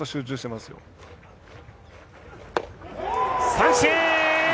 三振！